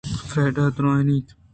فریڈا ءَ درّائینت